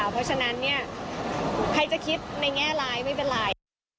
เพราะฉะนั้นเนี่ยใครจะคิดในแง่ร้ายไม่เป็นไร